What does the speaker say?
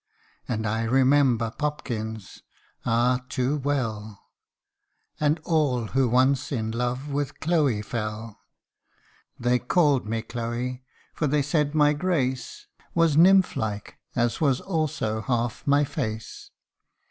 And I remember Popkins ah ! too well ! And all who once in love with Chloe fell. They called me Chloe, for they said my grace Was nymph like, as was also half my face.